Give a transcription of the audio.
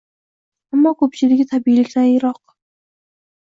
Ammo ko’pchiligi tabiiylikdan yiroq.